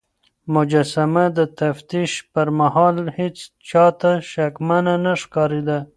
مجسمه د تفتيش پر مهال هيڅ چا ته شکمنه نه ښکارېده.